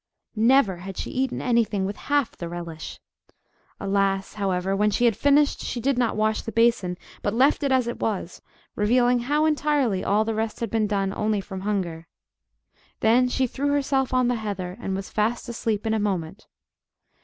Never had she eaten any thing with half the relish! Alas! however, when she had finished, she did not wash the basin, but left it as it was, revealing how entirely all the rest had been done only from hunger. Then she threw herself on the heather, and was fast asleep in a moment.